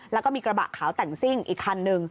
แล้วก็มีกระบะขาวแต่งซิ่งอีกคันนึง